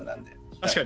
確かに。